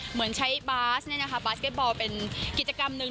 เหมือนใช้บาสเนี่ยนะคะบาสเก็ตบอลเป็นกิจกรรมหนึ่ง